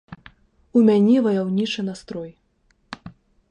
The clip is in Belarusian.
У мяне ваяўнічы настрой.